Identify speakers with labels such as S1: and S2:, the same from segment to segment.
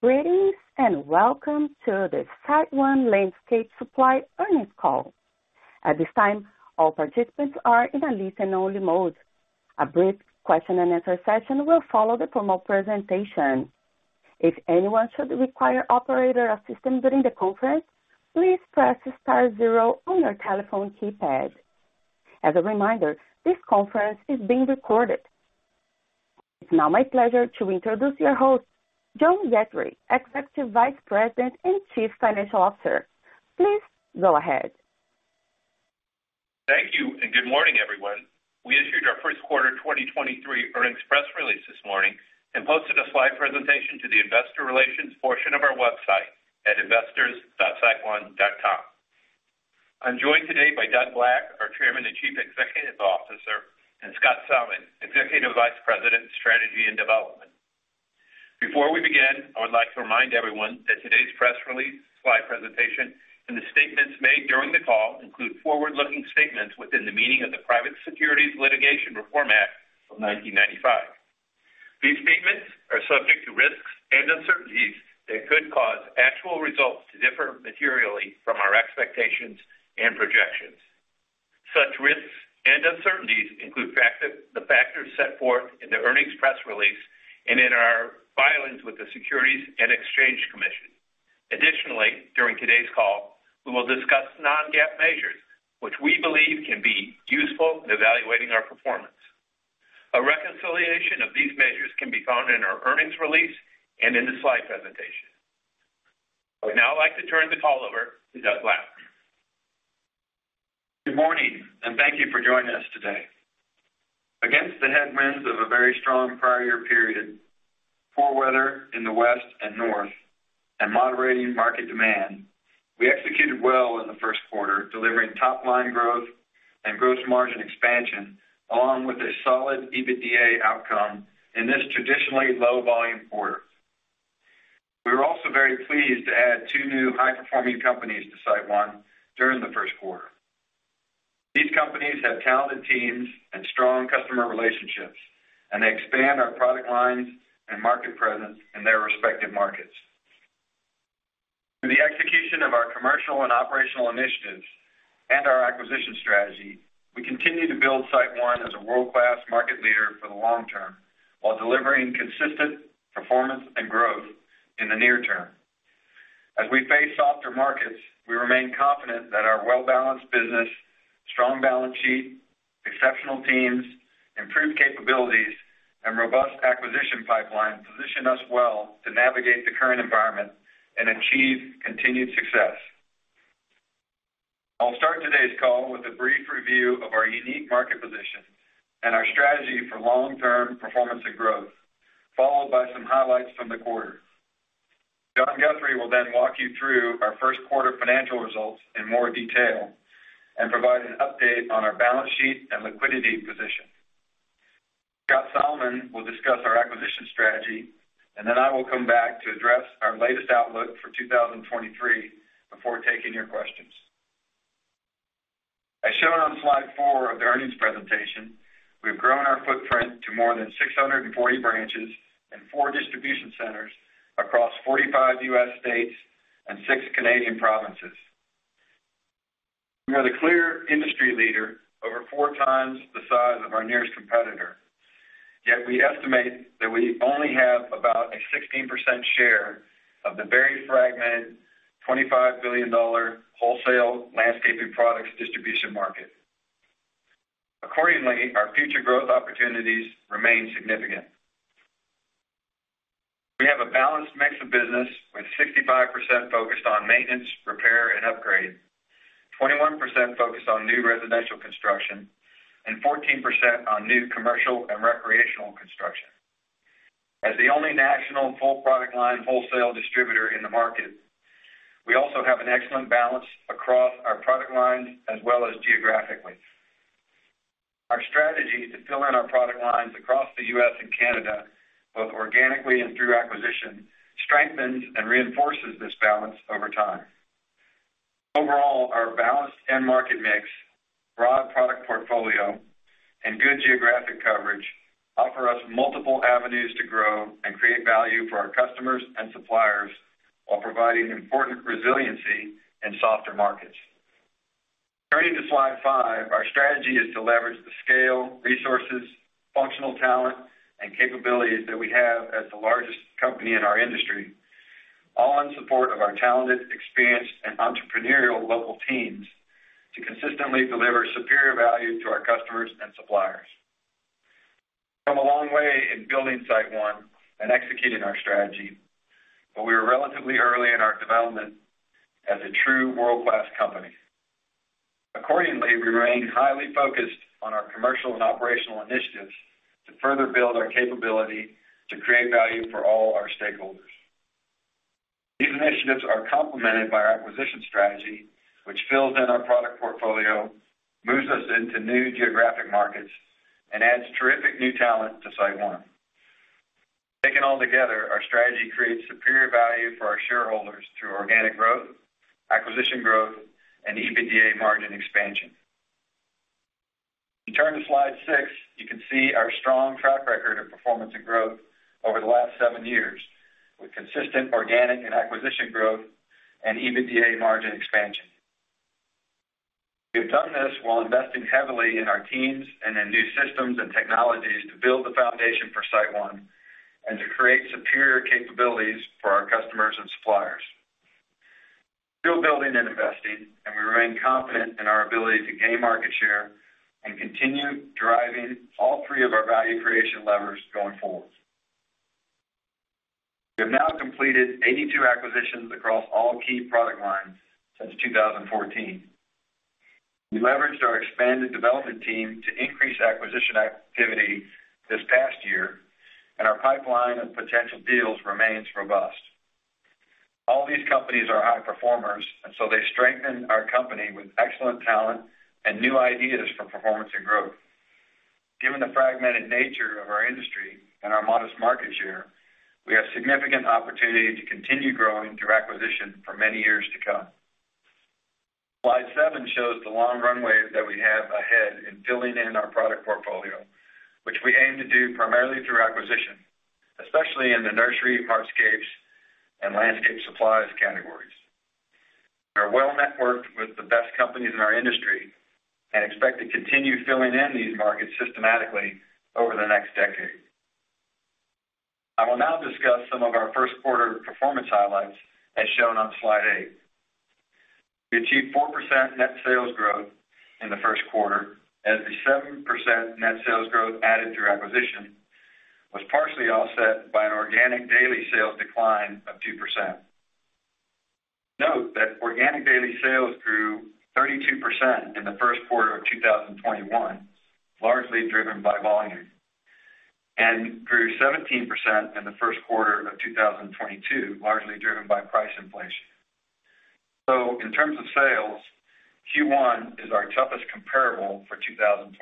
S1: Greetings, welcome to the SiteOne Landscape Supply Earnings Call. At this time, all participants are in a listen-only mode. A brief question-and-answer session will follow the formal presentation. If anyone should require operator assistance during the conference, please press star zero on your telephone keypad. As a reminder, this conference is being recorded. It's now my pleasure to introduce your host, John Guthrie, Executive Vice President and Chief Financial Officer. Please go ahead.
S2: Thank you, and good morning, everyone. We issued our Q1 2023 earnings press release this morning and posted a slide presentation to the investor relations portion of our website at investors.siteone.com. I'm joined today by Doug Black, our Chairman and Chief Executive Officer, and Scott Salmon, Executive Vice President, Strategy and Development. Before we begin, I would like to remind everyone that today's press release, slide presentation, and the statements made during the call include forward-looking statements within the meaning of the Private Securities Litigation Reform Act of 1995. These statements are subject to risks and uncertainties that could cause actual results to differ materially from our expectations and projections. Such risks and uncertainties include the factors set forth in the earnings press release and in our filings with the Securities and Exchange Commission. Additionally, during today's call, we will discuss non-GAAP measures, which we believe can be useful in evaluating our performance. A reconciliation of these measures can be found in our earnings release and in the slide presentation. I would now like to turn the call over to Doug Black.
S3: Good morning, thank you for joining us today. Against the headwinds of a very strong prior year period, poor weather in the West and North, and moderating market demand, we executed well in the Q1, delivering top-line growth and gross margin expansion, along with a solid EBITDA outcome in this traditionally low volume quarter. We were also very pleased to add 2 new high-performing companies to SiteOne during the Q1. These companies have talented teams and strong customer relationships, and they expand our product lines and market presence in their respective markets. Through the execution of our commercial and operational initiatives and our acquisition strategy, we continue to build SiteOne as a world-class market leader for the long term while delivering consistent performance and growth in the near term. As we face softer markets, we remain confident that our well-balanced business, strong balance sheet, exceptional teams, improved capabilities, and robust acquisition pipeline position us well to navigate the current environment and achieve continued success. I'll start today's call with a brief review of our unique market position and our strategy for long-term performance and growth, followed by some highlights from the quarter. John Guthrie will walk you through our Q1 financial results in more detail and provide an update on our balance sheet and liquidity position. Scott Salmon will discuss our acquisition strategy. I will come back to address our latest outlook for 2023 before taking your questions. As shown on slide 4 of the earnings presentation, we've grown our footprint to more than 640 branches and four distribution centers across 45 U.S. states and six Canadian provinces. We are the clear industry leader, over 4x the size of our nearest competitor. We estimate that we only have about a 16% share of the very fragmented $25 billion wholesale landscape products distribution market. Accordingly, our future growth opportunities remain significant. We have a balanced mix of business, with 65% focused on maintenance, repair, and upgrade, 21% focused on new residential construction, and 14% on new commercial and recreational construction. The only national full-product line wholesale distributor in the market, we also have an excellent balance across our product lines as well as geographically. Our strategy to fill in our product lines across the U.S. and Canada, both organically and through acquisition, strengthens and reinforces this balance over time. Overall, our balanced end market mix, broad product portfolio, and good geographic coverage offer us multiple avenues to grow and create value for our customers and suppliers while providing important resiliency in softer markets. Turning to slide five, our strategy is to leverage the scale, resources, functional talent, and capabilities that we have as the largest company in our industry, all in support of our talented, experienced, and entrepreneurial local teams to consistently deliver superior value to our customers and suppliers. We've come a long way in building SiteOne and executing our strategy. We are relatively early in our development as a true world-class company. Accordingly, we remain highly focused on our commercial and operational initiatives to further build our capability to create value for all our stakeholders. These initiatives are complemented by our acquisition strategy, which fills in our product portfolio, moves us into new geographic markets, and adds terrific new talent to SiteOne. Taken all together, our strategy creates superior value for our shareholders through organic growth, acquisition growth, and EBITDA margin expansion. If you turn to slide six, you can see our strong track record of performance and growth over the last seven years, with consistent organic and acquisition growth and EBITDA margin expansion. We have done this while investing heavily in our teams and in new systems and technologies to build the foundation for SiteOne and to create superior capabilities for our customers and suppliers. We're still building and investing, and we remain confident in our ability to gain market share and continue driving all three of our value creation levers going forward. We have now completed 82 acquisitions across all key product lines since 2014. We leveraged our expanded development team to increase acquisition activity this past year. Our pipeline of potential deals remains robust. All these companies are high performers. They strengthen our company with excellent talent and new ideas for performance and growth. Given the fragmented nature of our industry and our modest market share, we have significant opportunity to continue growing through acquisition for many years to come. Slide seven shows the long runway that we have ahead in filling in our product portfolio, which we aim to do primarily through acquisition, especially in the nursery, hardscapes, and landscape supplies categories. We are well-networked with the best companies in our industry and expect to continue filling in these markets systematically over the next decade. I will now discuss some of our Q1 performance highlights as shown on slide eight. We achieved 4% net sales growth in the Q1, as the 7% net sales growth added through acquisition was partially offset by an organic daily sales decline of 2%. Note that organic daily sales grew 32% in the Q1 of 2021, largely driven by volume, and grew 17% in the Q1 of 2022, largely driven by price inflation. In terms of sales, Q1 is our toughest comparable for 2023.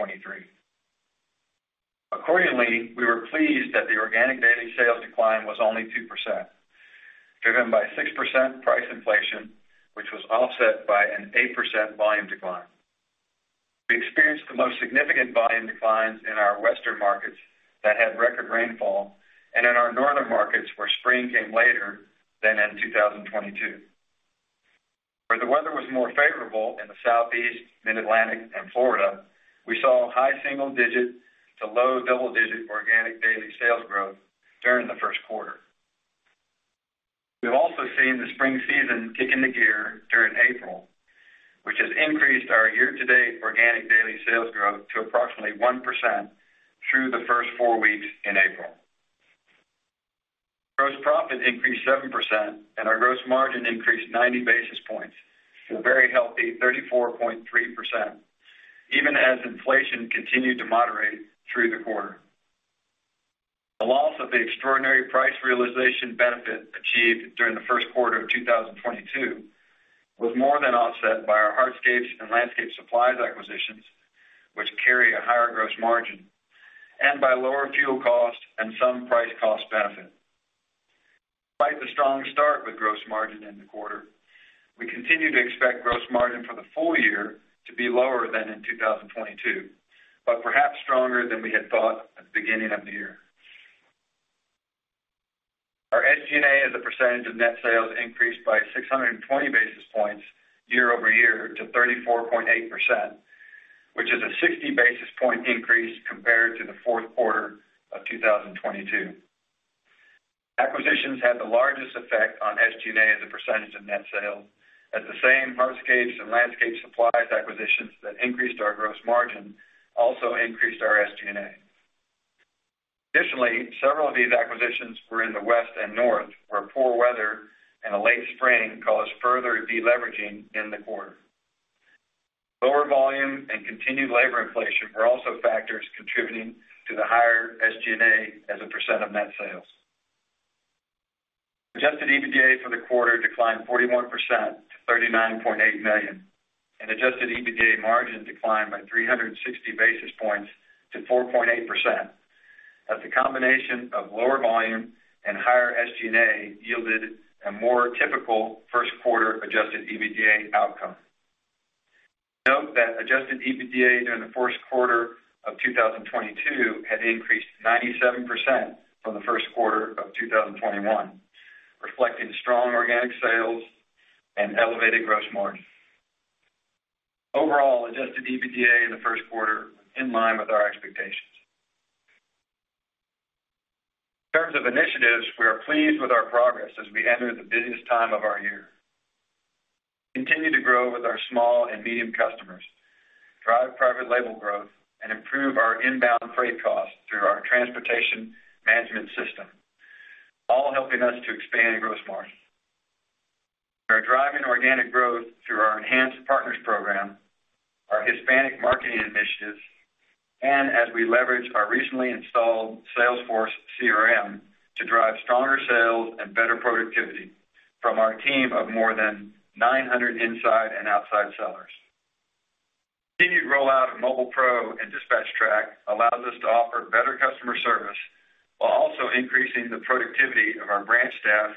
S3: Accordingly, we were pleased that the organic daily sales decline was only 2%, driven by 6% price inflation, which was offset by an 8% volume decline. We experienced the most significant volume declines in our Western markets that had record rainfall and in our northern markets where spring came later than in 2022. Where the weather was more favorable in the Southeast, Mid-Atlantic, and Florida, we saw high single-digit to low double-digit organic daily sales growth during the Q1. We've also seen the spring season kick into gear during April, which has increased our year-to-date organic daily sales growth to approximately 1% through the first four weeks in April. Gross profit increased 7% and our gross margin increased 90 basis points to a very healthy 34.3%, even as inflation continued to moderate through the quarter. The loss of the extraordinary price realization benefit achieved during the Q1 of 2022 was more than offset by our hardscapes and landscape supplies acquisitions, which carry a higher gross margin and by lower fuel costs and some price cost benefit. Despite the strong start with gross margin in the quarter, we continue to expect gross margin for the full year to be lower than in 2022, but perhaps stronger than we had thought at the beginning of the year. Our SG&A as a percentage of net sales increased by 620 basis points year-over-year to 34.8%, which is a 60 basis point increase compared to the Q4 of 2022. Acquisitions had the largest effect on SG&A as a % of net sales, as the same hardscapes and landscape supplies acquisitions that increased our gross margin also increased our SG&A. Several of these acquisitions were in the West and North, where poor weather and a late spring caused further deleveraging in the quarter. Lower volume and continued labor inflation were also factors contributing to the higher SG&A as a % of net sales. Adjusted EBITDA for the quarter declined 41% to $39.8 million, and Adjusted EBITDA margin declined by 360 basis points to 4.8%, as the combination of lower volume and higher SG&A yielded a more typical Q1 Adjusted EBITDA outcome. Note that Adjusted EBITDA during the Q1 of 2022 had increased 97% from the Q1 of 2021, reflecting strong organic sales and elevated gross margin. Overall, Adjusted EBITDA in the Q1 was in line with our expectations. In terms of initiatives, we are pleased with our progress as we enter the busiest time of our year. We continue to grow with our small and medium customers, drive private label growth, and improve our inbound freight costs through our transportation management system, all helping us to expand gross margin. We are driving organic growth through our enhanced Partners Program, our Hispanic marketing initiatives, and as we leverage our recently installed Salesforce CRM to drive stronger sales and better productivity from our team of more than 900 inside and outside sellers. Continued rollout of MobilePro and DispatchTrack allows us to offer better customer service while also increasing the productivity of our branch staff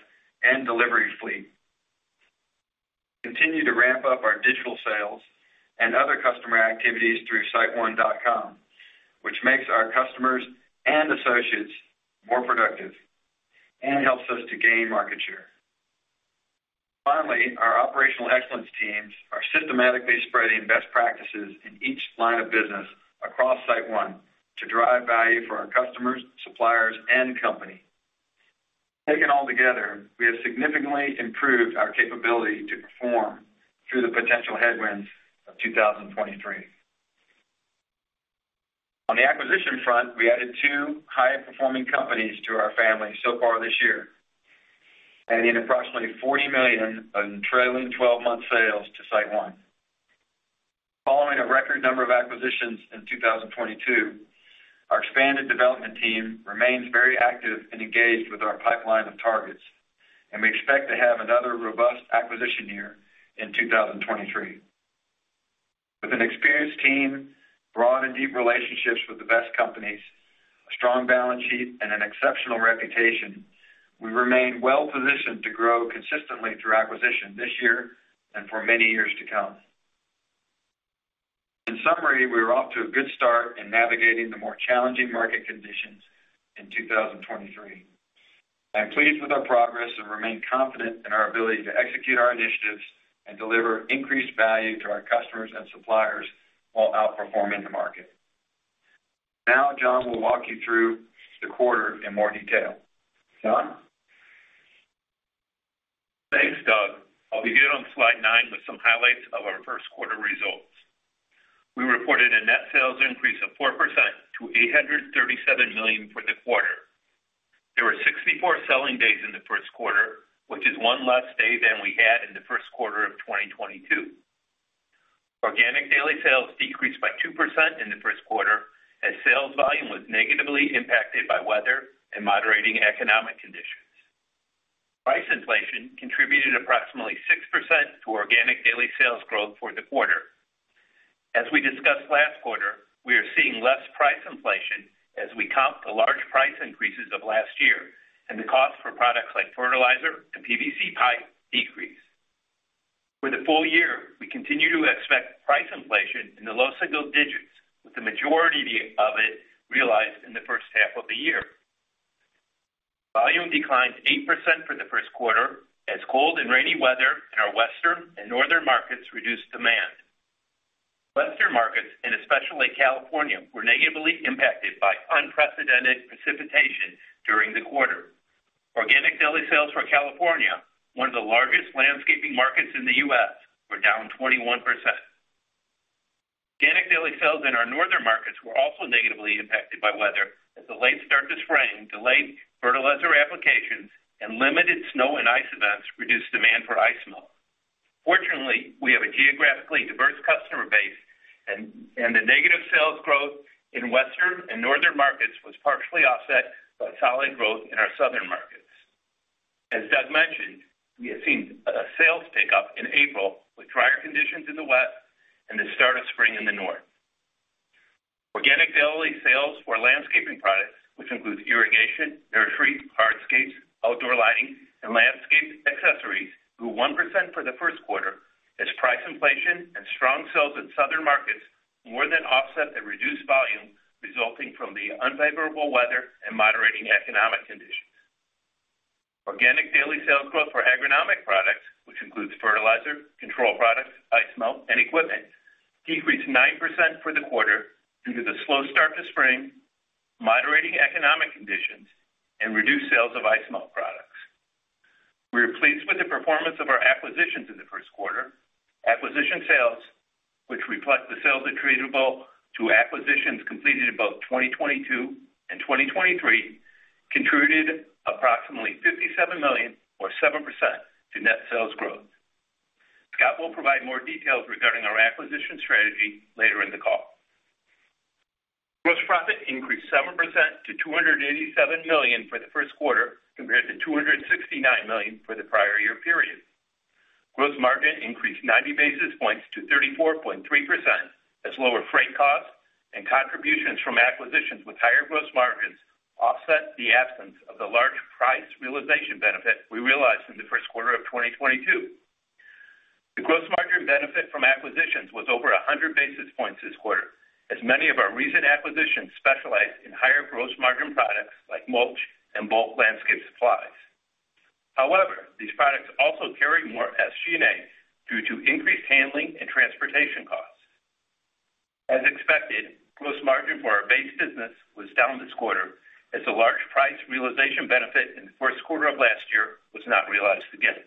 S3: and delivery fleet. Continue to ramp up our digital sales and other customer activities through SiteOne.com, which makes our customers and associates more productive and helps us to gain market share. Finally, our operational excellence teams are systematically spreading best practices in each line of business across SiteOne to drive value for our customers, suppliers, and company. Taken all together, we have significantly improved our capability to perform through the potential headwinds of 2023. On the acquisition front, we added two high-performing companies to our family so far this year, adding approximately $40 million in trailing twelve-month sales to SiteOne. Following a record number of acquisitions in 2022, our expanded development team remains very active and engaged with our pipeline of targets, and we expect to have another robust acquisition year in 2023. With an experienced team, broad and deep relationships with the best companies, a strong balance sheet, and an exceptional reputation, we remain well positioned to grow consistently through acquisition this year and for many years to come. In summary, we are off to a good start in navigating the more challenging market conditions in 2023. I'm pleased with our progress and remain confident in our ability to execute our initiatives and deliver increased value to our customers and suppliers while outperforming the market. Now, John will walk you through the quarter in more detail. John?
S2: Thanks, Doug. I'll begin on slide nine with some highlights of our Q1 results. We reported a net sales increase of 4% to $837 million for the quarter. There were 64 selling days in the Q1, which is 1 less day than we had in the Q1 of 2022. Organic daily sales decreased by 2% in the Q1 as sales volume was negatively impacted by weather and moderating economic conditions. Price inflation contributed approximately 6% to organic daily sales growth for the quarter. As we discussed last quarter, we are seeing less price inflation as we comp the large price increases of last year and the cost for products like fertilizer and PVC pipe decrease. For the full year, we continue to expect price inflation in the low single digits, with the majority of it realized in the first half of the year. Volume declined 8% for the Q1 as cold and rainy weather in our western and northern markets reduced demand. Western markets, and especially California, were negatively impacted by unprecedented precipitation during the quarter. Organic daily sales for California, one of the largest landscaping markets in the U.S., were down 21%. Organic daily sales in our northern markets were also negatively impacted by weather as the late start to spring delayed fertilizer applications and limited snow and ice events reduced demand for ice melt. Fortunately, we have a geographically diverse customer base and the negative sales growth in western and northern markets was partially offset by solid growth in our southern markets. As Doug mentioned, we have seen a sales pickup in April with drier conditions in the west and the start of spring in the north. Organic daily sales for landscaping products, which includes irrigation, nursery, hardscapes, outdoor lighting, and landscape accessories, grew 1% for the Q1 as price inflation and strong sales in southern markets more than offset the reduced volume resulting from the unfavorable weather and moderating economic conditions. Organic daily sales growth for agronomic products, which includes fertilizer, control products, ice melt, and equipment, decreased 9% for the quarter due to the slow start to spring, moderating economic conditions, and reduced sales of ice melt products. We are pleased with the performance of our acquisitions in the Q1. Acquisition sales, which reflect the sales attributable to acquisitions completed in both 2022 and 2023, contributed approximately $57 million or 7% to net sales growth. Scott will provide more details regarding our acquisition strategy later in the call. Gross profit increased 7% to $287 million for the Q1 compared to $269 million for the prior year period. Gross margin increased 90 basis points to 34.3% as lower freight costs and contributions from acquisitions with higher gross margins offset the absence of the large price realization benefit we realized in the Q1 of 2022. The gross margin benefit from acquisitions was over 100 basis points this quarter, as many of our recent acquisitions specialize in higher gross margin products like mulch and bulk landscape supplies. These products also carry more SG&A due to increased handling and transportation costs. As expected, gross margin for our base business was down this quarter as the large price realization benefit in the Q1 of last year was not realized again.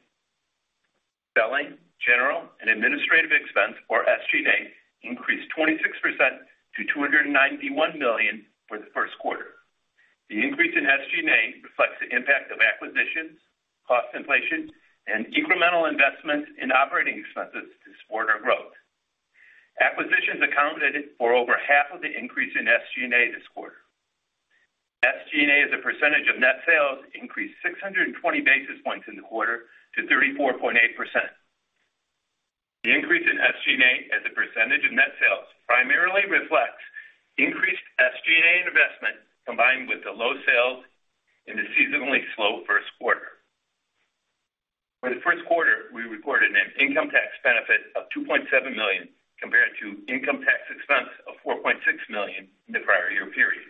S2: Selling, general, and administrative expense, or SG&A, increased 26% to $291 million for the Q1. The increase in SG&A reflects the impact of acquisitions, cost inflation, and incremental investments in operating expenses to support our growth. Acquisitions accounted for over half of the increase in SG&A this quarter. SG&A as a percentage of net sales increased 620 basis points in the quarter to 34.8%. The increase in SG&A as a percentage of net sales primarily reflects increased SG&A investment combined with the low sales in the seasonally slow Q1. For the Q1, we recorded an income tax benefit of $2.7 million, compared to income tax expense of $4.6 million in the prior year period.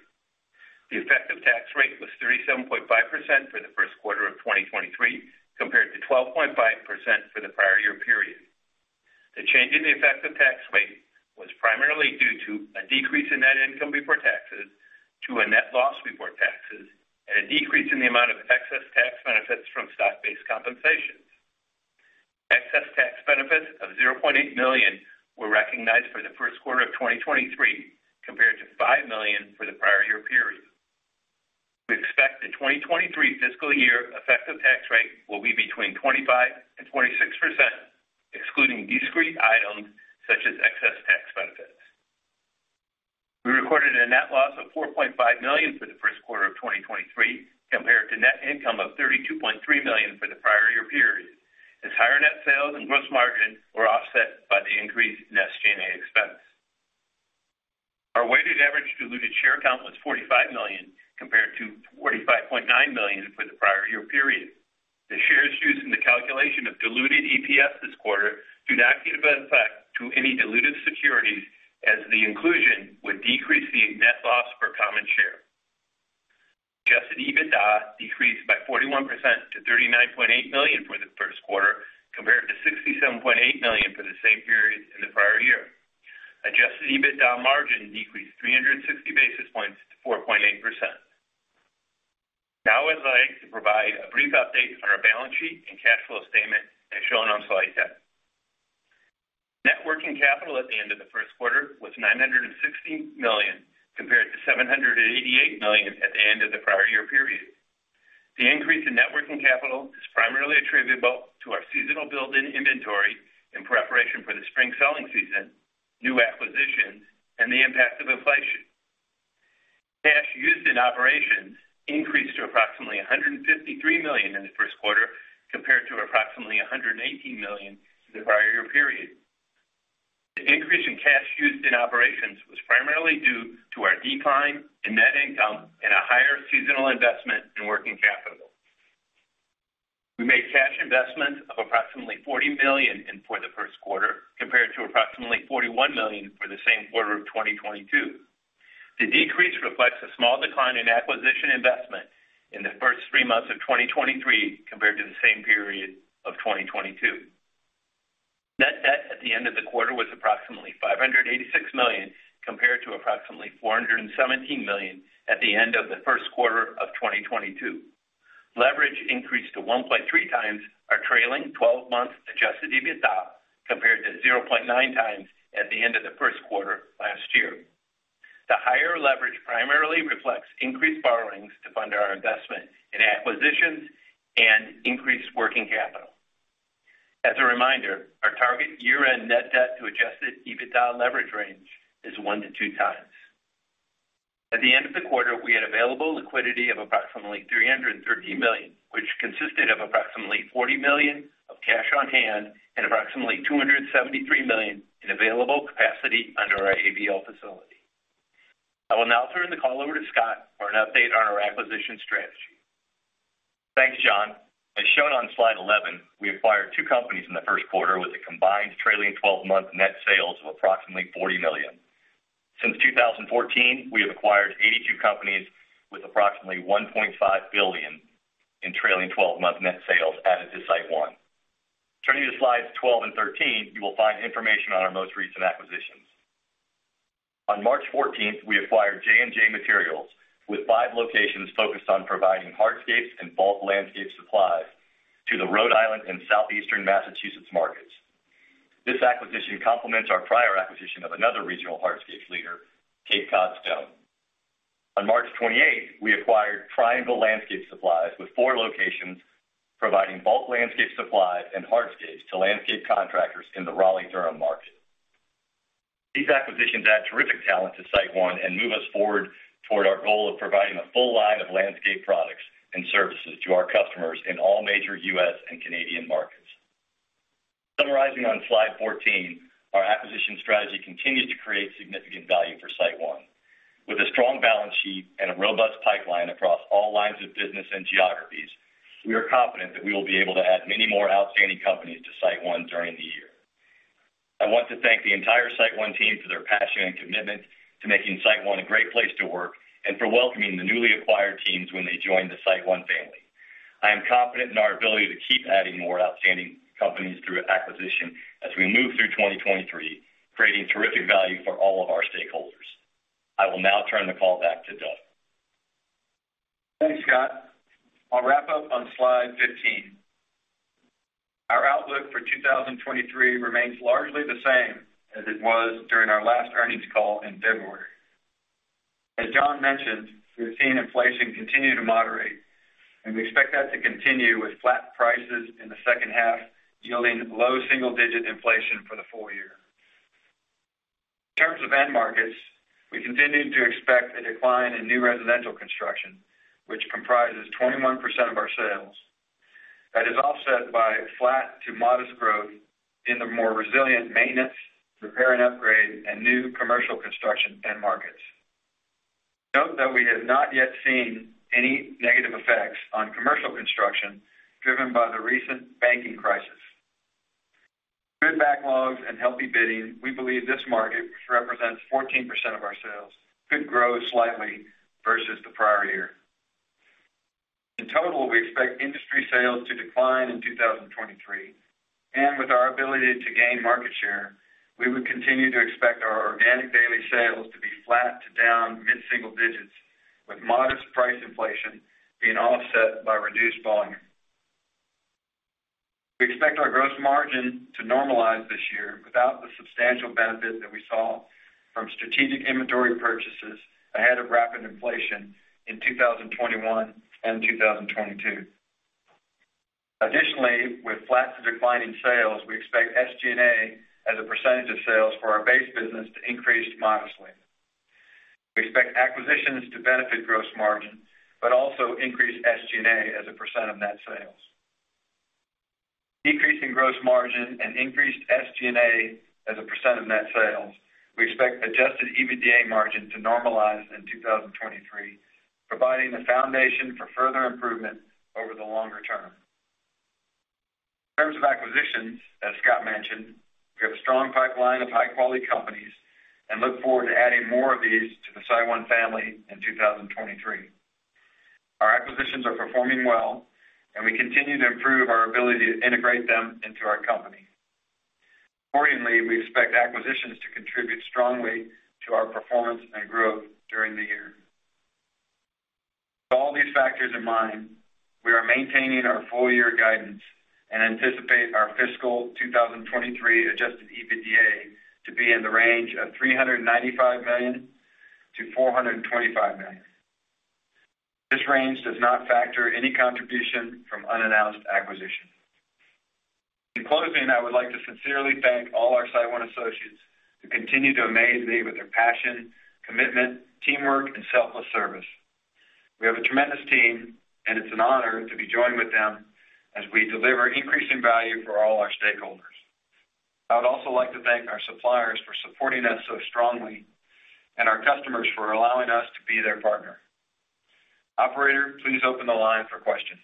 S2: The effective tax rate was 37.5% for the Q1 of 2023, compared to 12.5% for the prior year period. The change in the effective tax rate was primarily due to a decrease in net income before taxes to a net loss before taxes, and a decrease in the amount of excess tax benefits from stock-based compensations. Excess tax benefits of $0.8 million were recognized for the Q1 of 2023, compared to $5 million for the prior year period. We expect the 2023 fiscal year effective tax rate will be between 25% and 26%, excluding discrete items such as excess tax benefits. We recorded a net loss of $4.5 million for the Q1 of 2023, compared to net income of $32.3 million for the prior year period, as higher net sales and gross margins were offset by the increase in SG&A expense. Our weighted average diluted share count was 45 million, compared to 45.9 million for the prior year period. The shares used in the calculation of diluted EPS this quarter do not give effect to any diluted securities as the inclusion would decrease the net loss per common share. Adjusted EBITDA decreased by 41% to $39.8 million for the Q1, compared to $67.8 million for the same period in the prior year. Adjusted EBITDA margin decreased 360 basis points to 4.8%. Now I'd like to provide a brief update on our balance sheet and cash flow statement as shown on slide 10. Net working capital at the end of the Q1 was $960 million, compared to $788 million at the end of the prior year period. The increase in net working capital is primarily attributable to our seasonal build in inventory in preparation for the spring selling season, new acquisitions, and the impact of inflation. Cash used in operations increased to approximately $153 million in the Q1, compared to approximately $118 million in the prior year period. The increase in cash used in operations was primarily due to our decline in net income and a higher seasonal investment in working capital. We made cash investments of approximately $40 million in for the Q1, compared to approximately $41 million for the same quarter of 2022. The decrease reflects a small decline in acquisition investment in the first three months of 2023 compared to the same period of 2022. Net debt at the end of the quarter was approximately $586 million, compared to approximately $417 million at the end of the Q1 of 2022. Leverage increased to 1.3x our trailing 12-month Adjusted EBITDA, compared to 0.9x at the end of the Q1 last year. The higher leverage primarily reflects increased borrowings to fund our investment in acquisitions and increased working capital. As a reminder, our target year-end net debt to Adjusted EBITDA leverage range is 1-2x. At the end of the quarter, we had available liquidity of approximately $330 million, which consisted of approximately $40 million of cash on hand and approximately $273 million in available capacity under our ABL facility. I will now turn the call over to Scott for an update on our acquisition strategy.
S4: Thanks, John. As shown on slide 11, we acquired two companies in the Q1 with a combined trailing 12-month net sales of approximately $40 million. Since 2014, we have acquired 82 companies with approximately $1.5 billion in trailing 12-month net sales added to SiteOne. Turning to slides 12 and 13, you will find information on our most recent acquisitions. On March 14th, we acquired J&J Materials with five locations focused on providing hardscapes and bulk landscape supplies to the Rhode Island and Southeastern Massachusetts markets. This acquisition complements our prior acquisition of another regional hardscapes leader, Cape Cod Stone. On March 28, we acquired Triangle Landscape Supplies with four locations, providing bulk landscape supplies and hardscapes to landscape contractors in the Raleigh-Durham market. These acquisitions add terrific talent to SiteOne and move us forward toward our goal of providing a full line of landscape products and services to our customers in all major U.S. and Canadian markets. Summarizing on slide 14, our acquisition strategy continues to create significant value for SiteOne. With a strong balance sheet and a robust pipeline across all lines of business and geographies, we are confident that we will be able to add many more outstanding companies to SiteOne during the year. I want to thank the entire SiteOne team for their passion and commitment to making SiteOne a great place to work and for welcoming the newly acquired teams when they join the SiteOne family. I am confident in our ability to keep adding more outstanding companies through acquisition as we move through 2023, creating terrific value for all of our stakeholders. I will now turn the call back to Doug.
S3: Thanks, Scott. I'll wrap up on slide 15. Our outlook for 2023 remains largely the same as it was during our last earnings call in February. As John mentioned, we've seen inflation continue to moderate, and we expect that to continue with flat prices in the second half, yielding low single-digit inflation for the 4th year. In terms of end markets, we continue to expect a decline in new residential construction, which comprises 21% of our sales. That is offset by flat to modest growth in the more resilient maintenance, repair and upgrade, and new commercial construction end markets. Note that we have not yet seen any negative effects on commercial construction driven by the recent banking crisis. Good backlogs and healthy bidding, we believe this market, which represents 14% of our sales, could grow slightly versus the prior year. In total, we expect industry sales to decline in 2023. With our ability to gain market share, we would continue to expect our organic daily sales to be flat to down mid-single digits, with modest price inflation being offset by reduced volume. We expect our gross margin to normalize this year without the substantial benefit that we saw from strategic inventory purchases ahead of rapid inflation in 2021 and 2022. Additionally, with flat to declining sales, we expect SG&A as a % of sales for our base business to increase modestly. We expect acquisitions to benefit gross margin, but also increase SG&A as a % of net sales. Decreasing gross margin and increased SG&A as a % of net sales, we expect Adjusted EBITDA margin to normalize in 2023, providing the foundation for further improvement over the longer term. In terms of acquisitions, as Scott mentioned, we have a strong pipeline of high-quality companies and look forward to adding more of these to the SiteOne family in 2023. Our acquisitions are performing well. We continue to improve our ability to integrate them into our company. Accordingly, we expect acquisitions to contribute strongly to our performance and growth during the year. With all these factors in mind, we are maintaining our full year guidance and anticipate our fiscal 2023 Adjusted EBITDA to be in the range of $395 million-$425 million. This range does not factor any contribution from unannounced acquisitions. In closing, I would like to sincerely thank all our SiteOne associates who continue to amaze me with their passion, commitment, teamwork, and selfless service. We have a tremendous team. It's an honor to be joined with them as we deliver increasing value for all our stakeholders. I would also like to thank our suppliers for supporting us so strongly and our customers for allowing us to be their partner. Operator, please open the line for questions.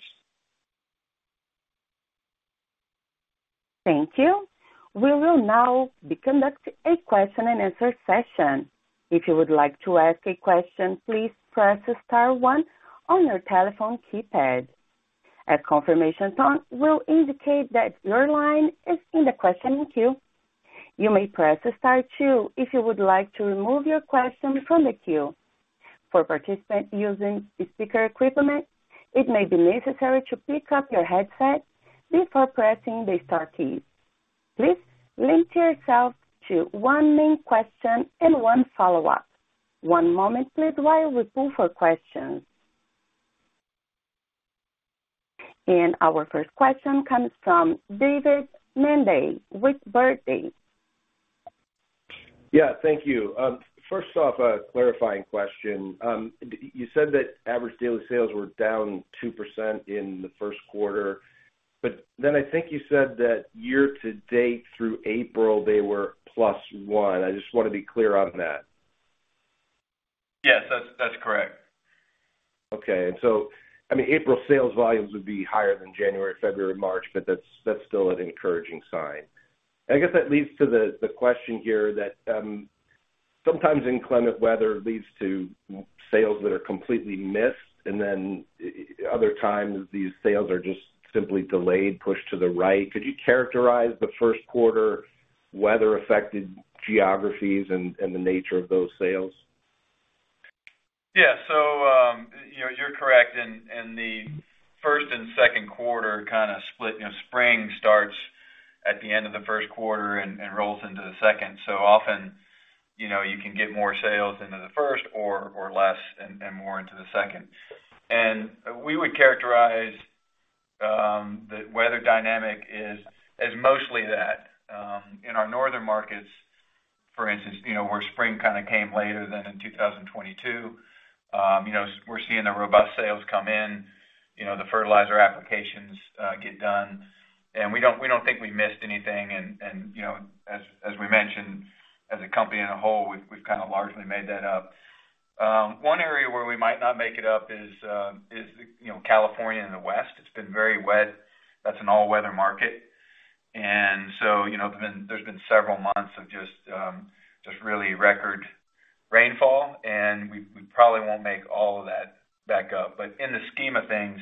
S1: Thank you. We will now be conducting a question and answer session. If you would like to ask a question, please press star one on your telephone keypad. A confirmation tone will indicate that your line is in the questioning queue. You may press star two if you would like to remove your question from the queue. For participants using speaker equipment, it may be necessary to pick up your headset before pressing the star keys. Please limit yourself to one main question and one follow-up. One moment please while we pull for questions. Our first question comes from David Manthey with Barclays.
S5: Yeah, thank you. First off, a clarifying question. You said that average daily sales were down 2% in the Q1, but then I think you said that year-to-date through April, they were +1%. I just wanna be clear on that.
S3: Yes. That's correct.
S5: Okay. I mean, April sales volumes would be higher than January, February, March, but that's still an encouraging sign. I guess that leads to the question here that, sometimes inclement weather leads to sales that are completely missed, and then other times these sales are just simply delayed, pushed to the right. Could you characterize the Q1 weather-affected geographies and the nature of those sales?
S3: Yeah. You know, you're correct in the Q1 and Q2 kinda split. You know, spring starts at the end of the Q1 and rolls into the second. Often, you know, you can get more sales into the first or less and more into the second. We would characterize the weather dynamic is, as mostly that. In our northern markets, for instance, you know, where spring kinda came later than in 2022, you know, we're seeing the robust sales come in, you know, the fertilizer applications get done. We don't think we missed anything and, you know, as we mentioned, as a company on a whole, we've kind of largely made that up. One area where we might not make it up is, you know, California and the West. It's been very wet. That's an all-weather market. You know, there's been several months of just really record rainfall, and we probably won't make all of that back up. In the scheme of things,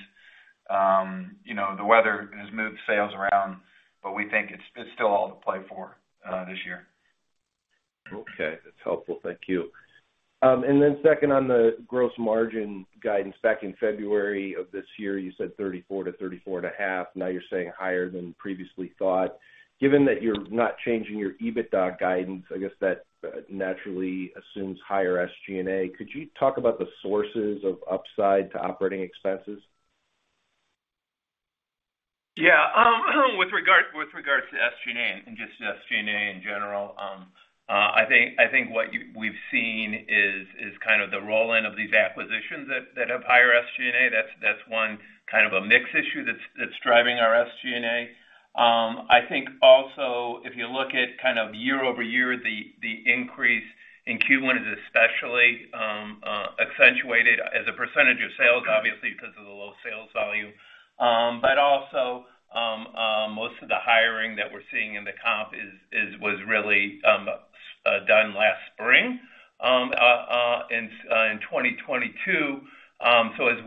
S3: you know, the weather has moved sales around, but we think it's still all to play for this year.
S5: Okay. That's helpful. Thank you. Second on the gross margin guidance. Back in February of this year, you said 34%-34.5%. Now you're saying higher than previously thought. Given that you're not changing your EBITDA guidance, I guess that, naturally assumes higher SG&A. Could you talk about the sources of upside to operating expenses?
S2: Yeah. With regards to SG&A and just SG&A in general, I think what we've seen is kind of the roll-in of these acquisitions that have higher SG&A. That's one kind of a mix issue that's driving our SG&A. I think also if you look at kind of year-over-year, the increase in Q1 is especially accentuated as a percentage of sales, obviously because of the low sales volume. Also, most of the hiring that we're seeing in the comp was really done last spring, in 2022. As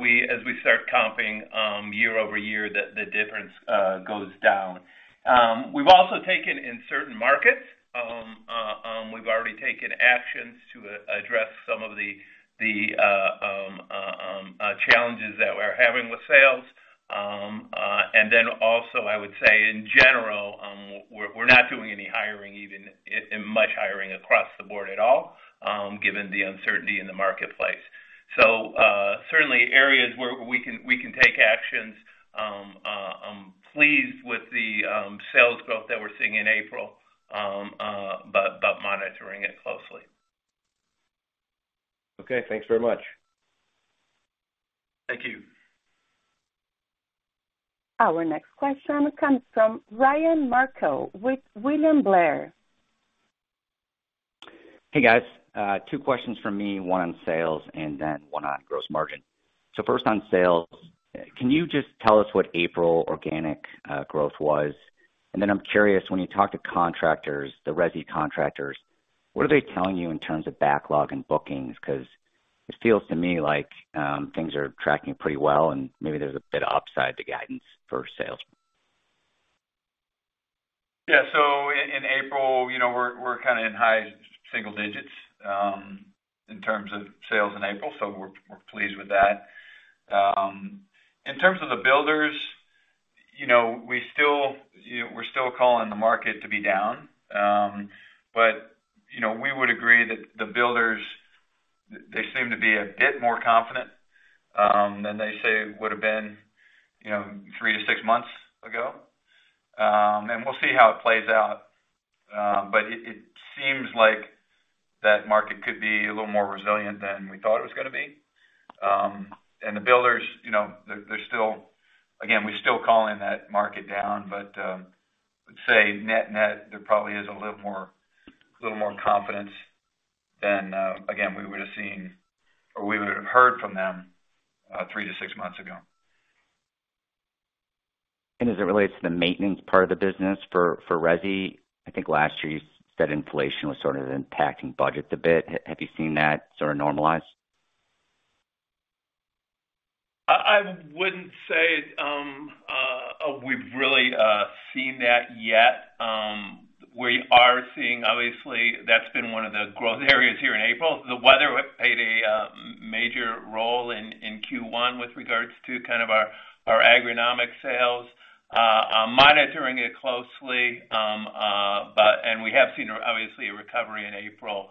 S2: we start comping, year-over-year, the difference goes down. We've also taken in certain markets, we've already taken actions to address some of the challenges that we're having with sales. Then also I would say in general, we're not doing any hiring even much hiring across the board at all, given the uncertainty in the marketplace. Certainly areas where we can take actions. I'm pleased with the sales growth that we're seeing in April, but monitoring it closely.
S6: Okay, thanks very much.
S2: Thank you.
S1: Our next question comes from Ryan Merkel with William Blair.
S6: Hey, guys. two questions from me, one on sales and then one on gross margin. First on sales, can you just tell us what April organic, growth was? I'm curious, when you talk to contractors, the resi contractors, what are they telling you in terms of backlog and bookings? 'Cause it feels to me like, things are tracking pretty well and maybe there's a bit of upside to guidance for sales.
S2: Yeah. In April, you know, we're kind of in high single digits, in terms of sales in April, so we're pleased with that. In terms of the builders, you know, we still, we're still calling the market to be down. You know, we would agree that the builders, they seem to be a bit more confident, than they say would have been, you know, three to six months ago. We'll see how it plays out. It seems like that market could be a little more resilient than we thought it was gonna be. The builders, you know, they're still... Again, we're still calling that market down. Let's say net-net, there probably is a little more, a little more confidence than again, we would have seen or we would have heard from them, three to six months ago.
S6: As it relates to the maintenance part of the business for resi, I think last year you said inflation was sort of impacting budgets a bit. Have you seen that sort of normalize?
S2: I wouldn't say we've really seen that yet. We are seeing obviously that's been one of the growth areas here in April. The weather played a major role in Q1 with regards to kind of our agronomic sales. Monitoring it closely. We have seen obviously a recovery in April.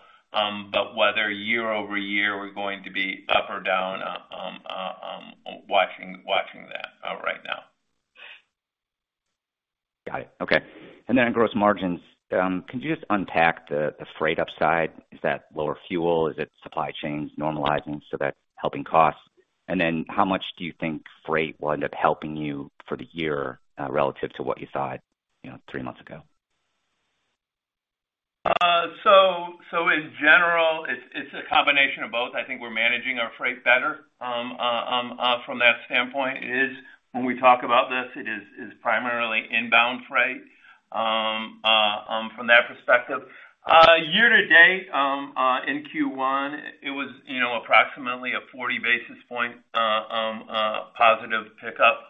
S2: Whether year-over-year we're going to be up or down, watching that right now.
S6: Got it. Okay. Then on gross margins, can you just unpack the freight upside? Is that lower fuel? Is it supply chains normalizing so that helping costs? Then how much do you think freight will end up helping you for the year, relative to what you thought, you know, three months ago?
S2: So in general, it's a combination of both. I think we're managing our freight better from that standpoint. It is when we talk about this, it is primarily inbound freight from that perspective. Year to date, in Q1, it was, you know, approximately a 40 basis point positive pickup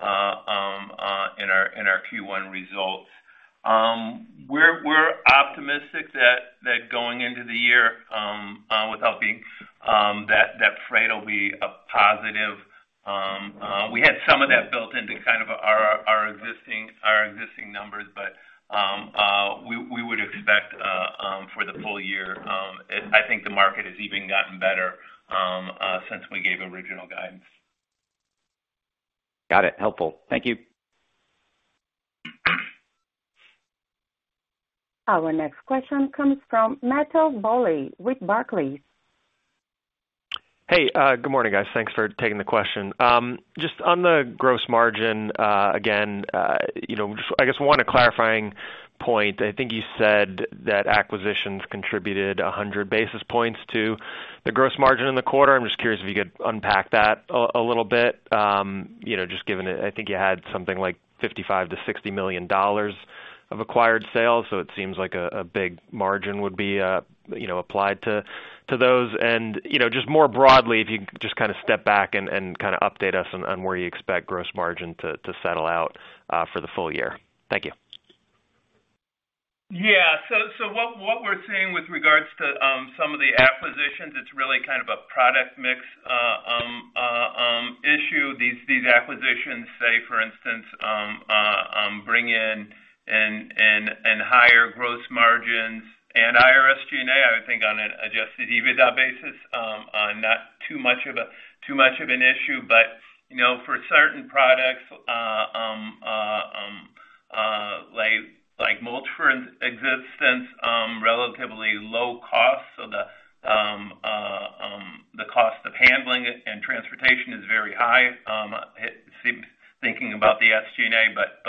S2: year-over-year in our Q1 results. We're optimistic that going into the year, without being, that freight will be a positive. We had some of that built into kind of our existing numbers. We would expect for the full year. I think the market has even gotten better since we gave original guidance.
S6: Got it. Helpful. Thank you.
S1: Our next question comes from Matthew Bouley with Barclays.
S7: Hey, good morning, guys. Thanks for taking the question. On the gross margin, you know, just I guess one clarifying point. I think you said that acquisitions contributed 100 basis points to the gross margin in the quarter. I'm just curious if you could unpack that a little bit. You know, just given it, I think you had something like $55 million-$60 million of acquired sales, so it seems like a big margin would be, you know, applied to those. You know, just more broadly, if you just kind of step back and kind of update us on where you expect gross margin to settle out for the full year. Thank you.
S2: Yeah. What we're seeing with regards to some of the acquisitions, it's really kind of a product mix issue. These acquisitions, say, for instance, bring in higher margins and SG&A, I would think on an Adjusted EBITDA basis, not too much of an issue. You know, for certain products, like mulch, for instance, relatively low cost. The cost of handling it and transportation is very high. It seems thinking about the SG&A, but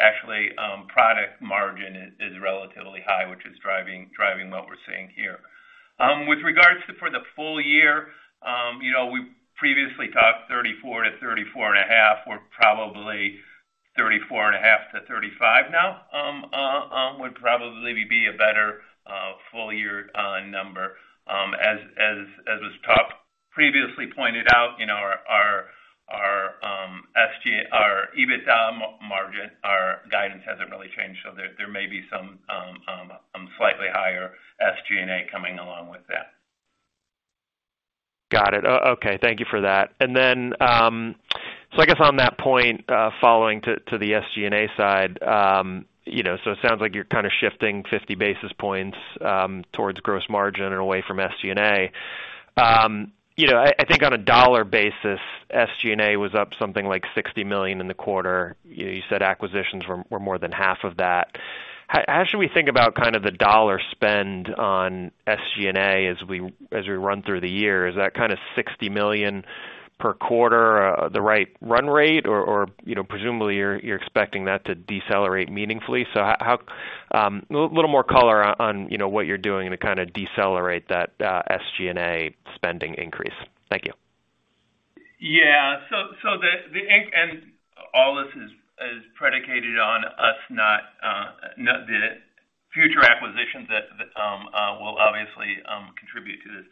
S2: actually product margin is relatively high, which is driving what we're seeing here. With regards to for the full year, you know, we previously talked 34%-34.5%. We're probably 34.5-35 now, would probably be a better full year number. As was talked previously pointed out, you know, our EBITDA margin, our guidance hasn't really changed. There may be some slightly higher SG&A coming along with that.
S7: Got it. Okay. Thank you for that. I guess on that point, following to the SG&A side, you know, it sounds like you're kind of shifting 50 basis points towards gross margin and away from SG&A. You know, I think on a dollar basis, SG&A was up something like $60 million in the quarter. You know, you said acquisitions were more than half of that. How should we think about kind of the dollar spend on SG&A as we run through the year? Is that kind of $60 million per quarter the right run rate or, you know, presumably you're expecting that to decelerate meaningfully. How a little more color on, you know, what you're doing to kind of decelerate that SG&A spending increase? Thank you.
S2: All this is predicated on us not the future acquisitions that will obviously contribute to this.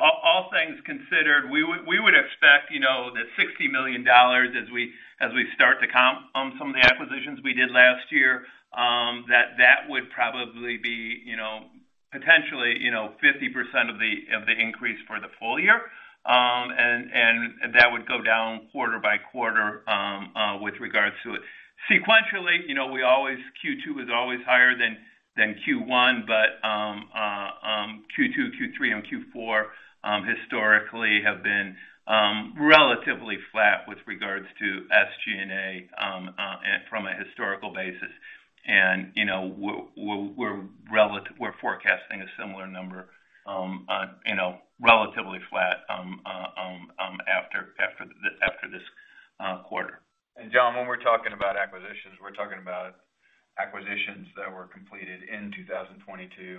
S2: All things considered, we would expect, you know, the $60 million as we, as we start to comp on some of the acquisitions we did last year, that would probably be, you know, potentially, you know, 50% of the increase for the full year. That would go down quarter by quarter with regards to it. Sequentially, you know, Q2 is always higher than Q1, Q2, Q3, and Q4 historically have been relatively flat with regards to SG&A and from a historical basis you know, we're forecasting a similar number, you know, relatively flat, after this quarter.
S3: John, when we're talking about acquisitions, we're talking about acquisitions that were completed in 2022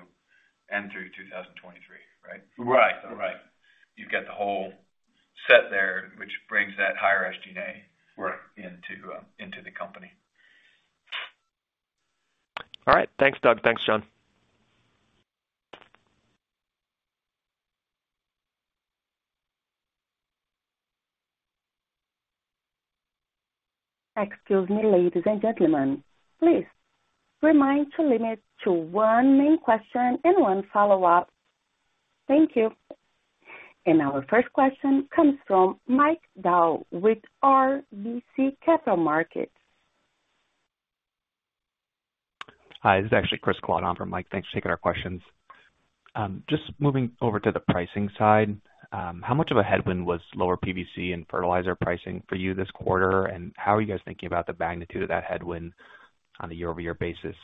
S3: and through 2023, right?
S2: Right. Right.
S3: You've got the whole set there, which brings that higher SG&A-
S2: Right.
S3: into the company.
S7: All right. Thanks, Doug. Thanks, John.
S1: Excuse me, ladies and gentlemen. Please remind to limit to one main question and one follow-up. Thank you. Our first question comes from Mike Dahl with RBC Capital Markets.
S8: Hi, this is actually Christopher Kalata for Mike. Thanks for taking our questions. Just moving over to the pricing side, how much of a headwind was lower PVC and fertilizer pricing for you this quarter? How are you guys thinking about the magnitude of that headwind on a year-over-year basis,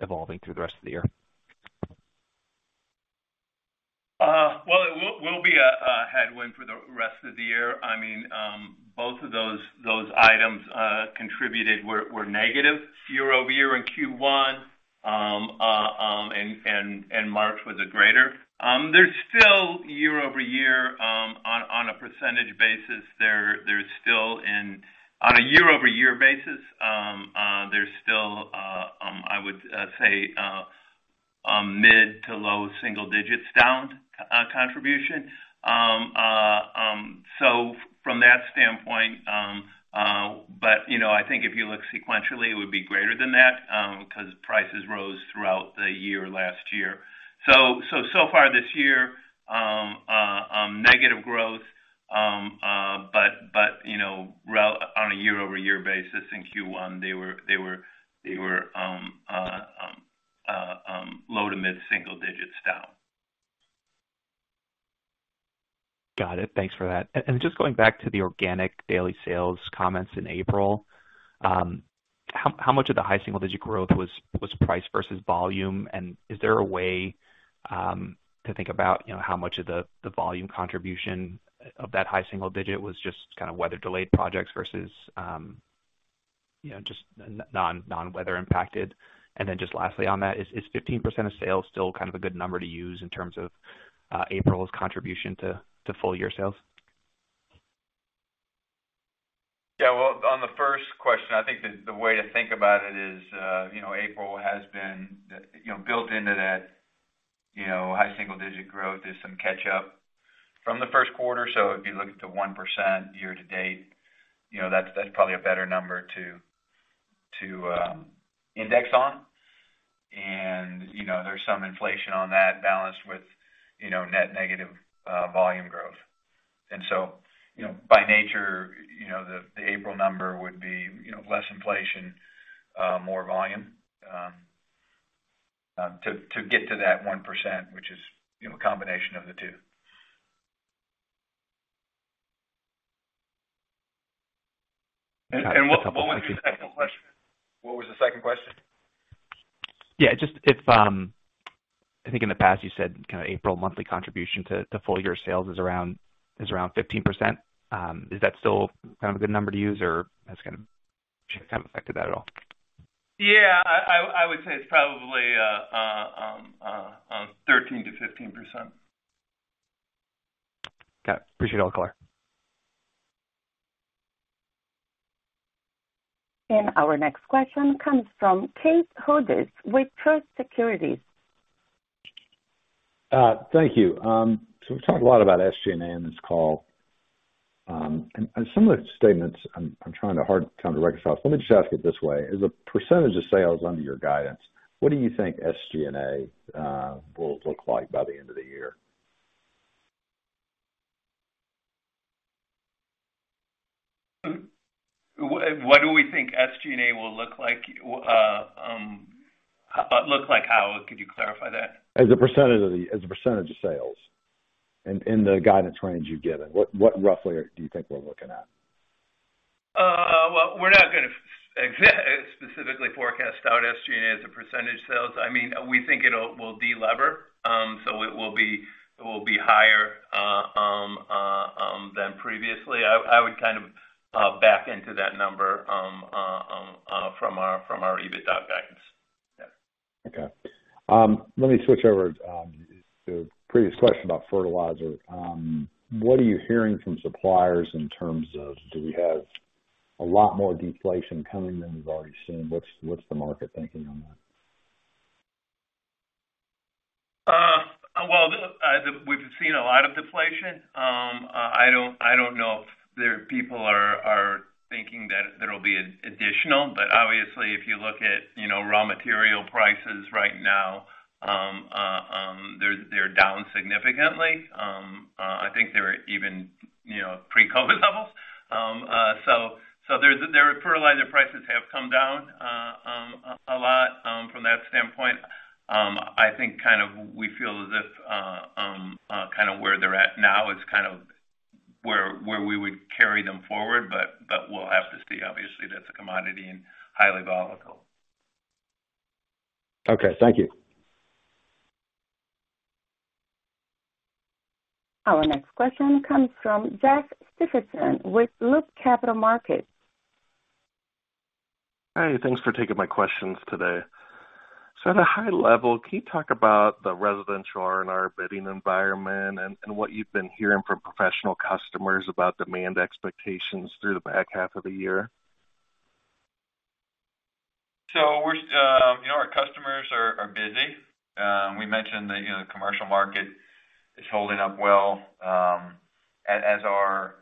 S8: evolving through the rest of the year?
S2: Well, it will be a headwind for the rest of the year. I mean, both of those items contributed were negative year-over-year in Q1. March was a greater. There's still year-over-year on a percentage basis. There's still on a year-over-year basis, there's still I would say mid to low single digits down contribution. From that standpoint, but you know, I think if you look sequentially, it would be greater than that because prices rose throughout the year last year. So far this year, negative growth. You know, on a year-over-year basis in Q1, they were, low to mid single digits down.
S8: Got it. Thanks for that. Just going back to the organic daily sales comments in April, how much of the high single-digit growth was price versus volume? Is there a way, you know, to think about how much of the volume contribution of that high single-digit was just kind of weather delayed projects versus, you know, just non-weather impacted? Then just lastly on that, is 15% of sales still kind of a good number to use in terms of April's contribution to full year sales?
S2: Yeah. Well, on the first question, I think the way to think about it is, you know, April has been, you know, built into that, you know, high single-digit growth is some catch up from the Q1. If you look at the 1% year-to-date, you know, that's probably a better number to index on. You know, there's some inflation on that balanced with, you know, net negative volume growth. By nature, you know, the April number would be, you know, less inflation, more volume to get to that 1%, which is, you know, a combination of the two.
S8: What was your second question? Yeah, just if, I think in the past you said kinda April monthly contribution to full year sales is around 15%. Is that still kind of a good number to use or has kind of shifted, kind of affected that at all?
S2: Yeah, I would say it's probably, 13%-15%.
S8: Okay. Appreciate all the color.
S1: Our next question comes from Keith Hughes with Truist Securities.
S9: Thank you. We've talked a lot about SG&A in this call. Some of the statements I'm trying to time to reconcile. Let me just ask it this way. As a percentage of sales under your guidance, what do you think SG&A will look like by the end of the year?
S2: What do we think SG&A will look like? Look like how? Could you clarify that?
S9: As a % of sales in the guidance range you've given, what roughly do you think we're looking at?
S2: Well, we're not gonna specifically forecast out SG&A as a percentage of sales. I mean, we think it'll de-lever. It will be higher than previously. I would kind of back into that number from our EBITDA guidance. Yeah.
S9: Let me switch over to a previous question about fertilizer. What are you hearing from suppliers in terms of do we have a lot more deflation coming than we've already seen? What's the market thinking on that?
S2: Well, we've seen a lot of deflation. I don't know if their people are thinking that there'll be additional, but obviously if you look at, you know, raw material prices right now, they're down significantly. I think they're even, you know, pre-COVID levels. There's the fertilizer prices have come down a lot from that standpoint. I think kind of we feel as if kind of where they're at now is kind of where we would carry them forward. We'll have to see. Obviously that's a commodity and highly volatile.
S9: Okay. Thank you.
S1: Our next question comes from Jeff Stevenson with Loop Capital Markets.
S10: Hi, thanks for taking my questions today. At a high level, can you talk about the residential R&R bidding environment and what you've been hearing from professional customers about demand expectations through the back half of the year?
S2: We're, you know, our customers are busy. We mentioned, you know, commercial market is holding up well, as are,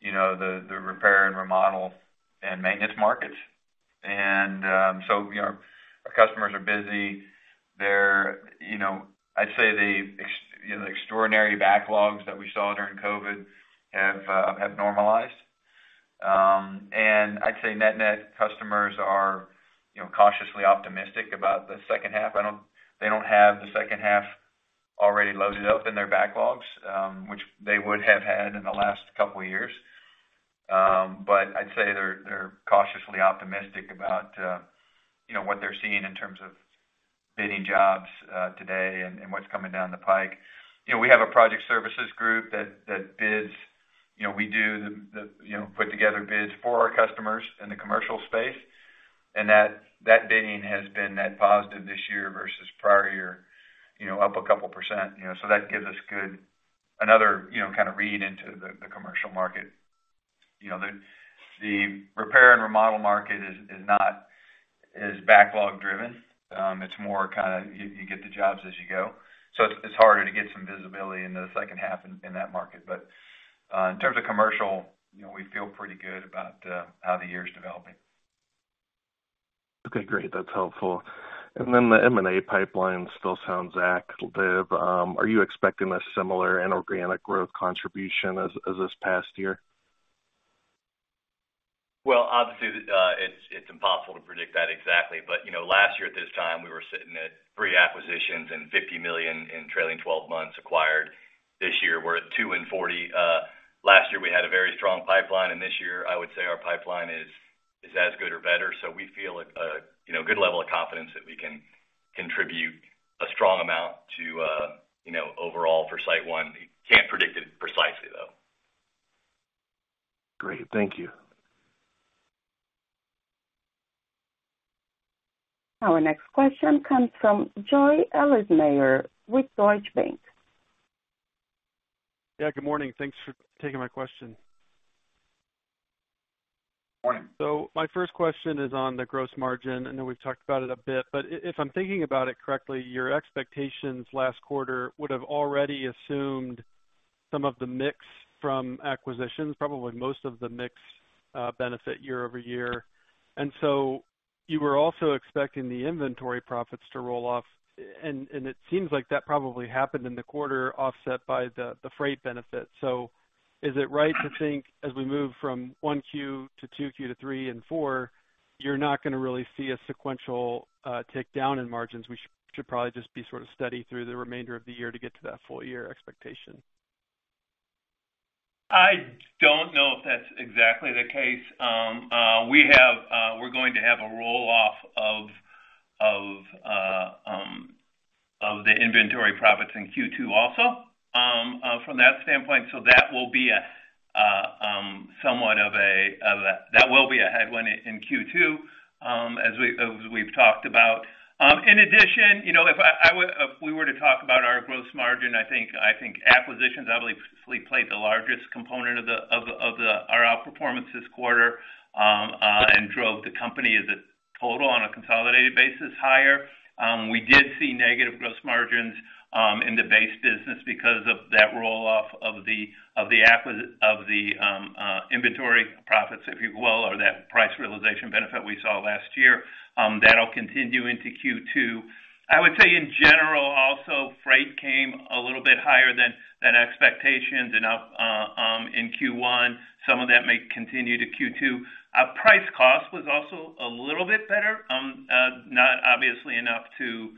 S2: you know, the repair and remodel and maintenance markets. Our customers are busy. They're, you know. I'd say, you know, the extraordinary backlogs that we saw during COVID have normalized. I'd say net-net customers are, you know, cautiously optimistic about the second half. They don't have the second half already loaded up in their backlogs, which they would have had in the last couple of years. I'd say they're cautiously optimistic about, you know, what they're seeing in terms of bidding jobs today and what's coming down the pike. You know, we have a project services group that bids. You know, we do the, you know, put together bids for our customers in the commercial space. That, that bidding has been net positive this year versus prior year, you know, up a couple %. You know, that gives us another, you know, kind of read into the commercial market. You know, the repair and remodel market is not as backlog driven. It's more kind of you get the jobs as you go. It's harder to get some visibility into the second half in that market. In terms of commercial, you know, we feel pretty good about, how the year is developing.
S10: Okay, great. That's helpful. Then the M&A pipeline still sounds active. Are you expecting a similar inorganic growth contribution as this past year?
S2: Well, obviously, it's impossible to predict that exactly. You know, last year at this time, we were sitting at three acquisitions and $50 million in trailing 12 months acquired. This year we're at two and $40 million. Last year we had a very strong pipeline, and this year I would say our pipeline is as good or better. We feel a, you know, good level of confidence that we can contribute a strong amount to, you know, overall for SiteOne. Can't predict it precisely, though.
S10: Great. Thank you.
S1: Our next question comes from Joe Ahlersmeyer with Deutsche Bank.
S11: Yeah, good morning. Thanks for taking my question.
S2: Morning.
S11: My first question is on the gross margin. I know we've talked about it a bit, but if I'm thinking about it correctly, your expectations last quarter would have already assumed some of the mix from acquisitions, probably most of the mix benefit year-over-year. You were also expecting the inventory profits to roll off, and it seems like that probably happened in the quarter offset by the freight benefit. Is it right to think as we move from Q1-Q2-Q3 and Q4, you're not gonna really see a sequential tick down in margins? We should probably just be sort of steady through the remainder of the year to get to that full year expectation.
S2: I don't know if that's exactly the case. We have, we're going to have a roll off of the inventory profits in Q2 also, from that standpoint. That will be a headwind in Q2, as we've talked about. In addition, you know, if we were to talk about our gross margin, I think acquisitions obviously played the largest component of our outperformance this quarter, and drove the company as a total on a consolidated basis higher. We did see negative gross margins in the base business because of that roll off of the inventory profits, if you will, or that price realization benefit we saw last year. That'll continue into Q2. I would say in general also, freight came a little bit higher than expectations and up in Q1. Some of that may continue to Q2. Our price cost was also a little bit better, not obviously enough to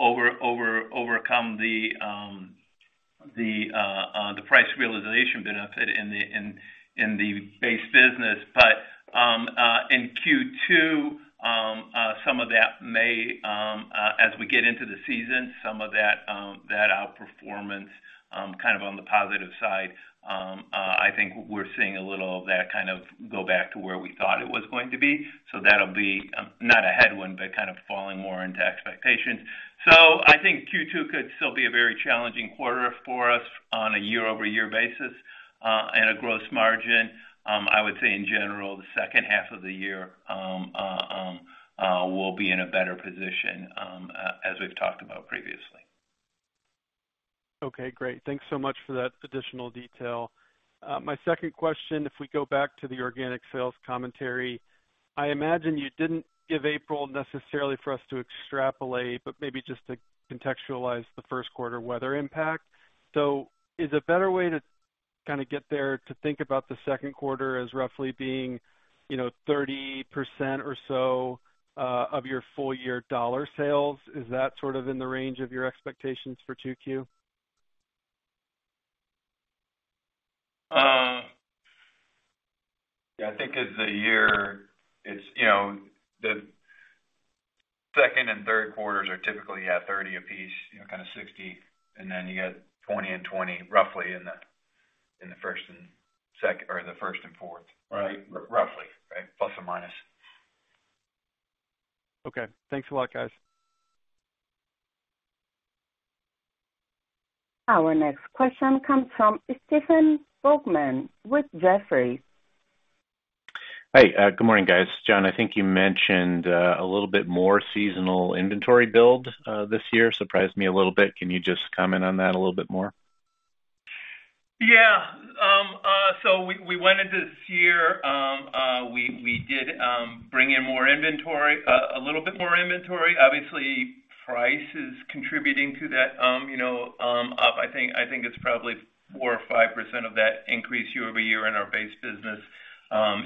S2: overcome the price realization benefit in the base business. In Q2, some of that may, as we get into the season, some of that outperformance, kind of on the positive side, I think we're seeing a little of that kind of go back to where we thought it was going to be. That'll be not a headwind, but kind of falling more into expectations. I think Q2 could still be a very challenging quarter for us on a year-over-year basis, and a gross margin. I would say in general, the second half of the year will be in a better position as we've talked about previously.
S11: Great. Thanks so much for that additional detail. My second question, if we go back to the organic sales commentary. I imagine you didn't give April necessarily for us to extrapolate, but maybe just to contextualize the Q1 weather impact. Is a better way to kind of get there to think about the second quarter as roughly being, you know, 30% or so of your full year dollar sales? Is that sort of in the range of your expectations for 2Q?
S3: Yeah, I think as the year. It's, you know, the second and third quarters are typically, yeah, 30 apiece, you know, kind of 60, and then you got 20 and 20 roughly in the first and fourth. Right? Roughly, right. Plus or minus.
S11: Okay. Thanks a lot, guys.
S1: Our next question comes from Stephen Volkmann with Jefferies.
S12: Hi. good morning, guys. John, I think you mentioned a little bit more seasonal inventory build this year. Surprised me a little bit. Can you just comment on that a little bit more?
S2: Yeah. So we went into this year, we did bring in more inventory, a little bit more inventory. Obviously, price is contributing to that, you know, up. I think it's probably 4% or 5% of that increase year-over-year in our base business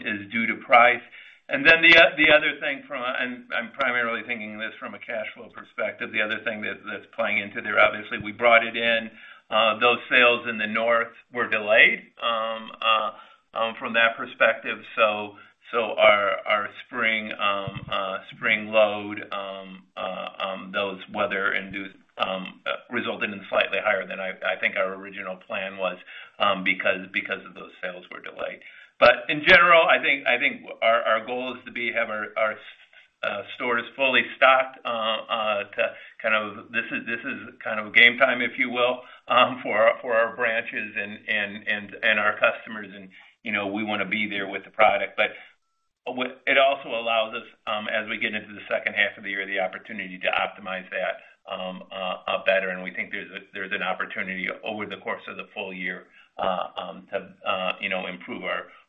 S2: is due to price. The other thing from a, and I'm primarily thinking this from a cash flow perspective. The other thing that's playing into there, obviously, we brought it in. Those sales in the north were delayed from that perspective. Our spring load, those weather-induced, resulted in slightly higher than I think our original plan was because of those sales were delayed. In general, I think our goal is to be, have our stores fully stocked. To kind of this is kind of game time, if you will, for our branches and our customers and, you know, we wanna be there with the product. It also allows us, as we get into the second half of the year, the opportunity to optimize that better. We think there's an opportunity over the course of the full year to, you know, improve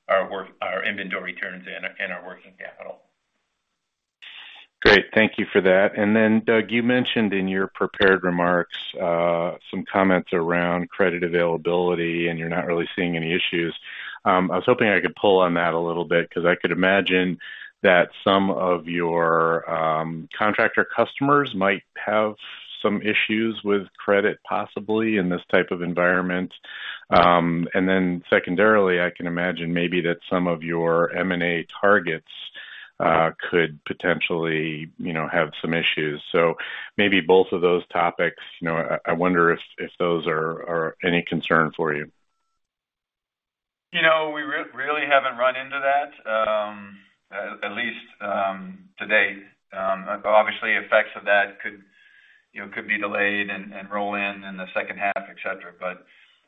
S2: our inventory turns and our working capital.
S12: Great. Thank you for that. Then, Doug, you mentioned in your prepared remarks, some comments around credit availability, and you're not really seeing any issues. I was hoping I could pull on that a little bit because I could imagine that some of your, contractor customers might have some issues with credit, possibly, in this type of environment. Then secondarily, I can imagine maybe that some of your M&A targets, could potentially, you know, have some issues. Maybe both of those topics, you know, I wonder if those are any concern for you.
S3: You know, we really haven't run into that, at least to date. Obviously effects of that could, you know, could be delayed and roll in the second half, et cetera.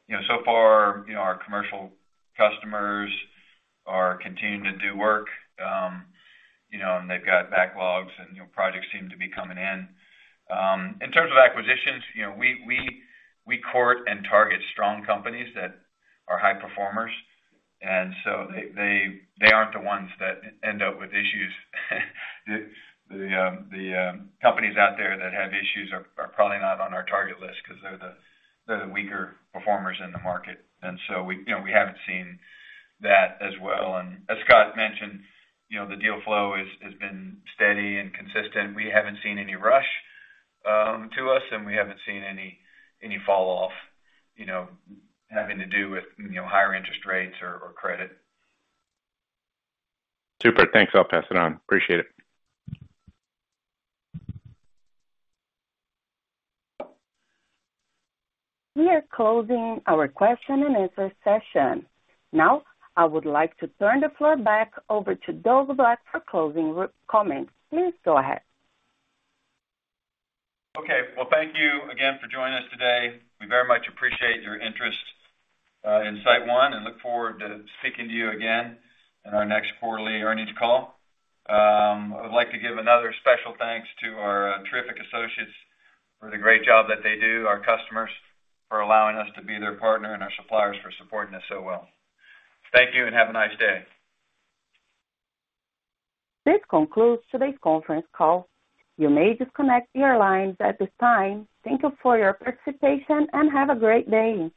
S3: You know, so far, you know, our commercial customers are continuing to do work. You know, they've got backlogs, and, you know, projects seem to be coming in. In terms of acquisitions, you know, we court and target strong companies that are high performers. They aren't the ones that end up with issues. The companies out there that have issues are probably not on our target list because they're the weaker performers in the market. We, you know, haven't seen that as well. As Scott mentioned, you know, the deal flow has been steady and consistent. We haven't seen any rush to us, and we haven't seen any fall off, you know, having to do with, you know, higher interest rates or credit.
S12: Super. Thanks. I'll pass it on. Appreciate it.
S1: We are closing our question and answer session. I would like to turn the floor back over to Doug Black for closing comments. Please go ahead.
S3: Okay. Well, thank you again for joining us today. We very much appreciate your interest in SiteOne, and look forward to speaking to you again in our next quarterly earnings call. I would like to give another special thanks to our terrific associates for the great job that they do, our customers for allowing us to be their partner, and our suppliers for supporting us so well. Thank you and have a nice day.
S1: This concludes today's conference call. You may disconnect your lines at this time. Thank you for your participation. Have a great day.